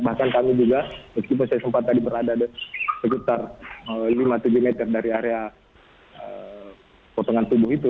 bahkan kami juga meskipun saya sempat tadi berada di sekitar lima tujuh meter dari area potongan tubuh itu